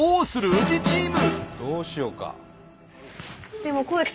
宇治チーム。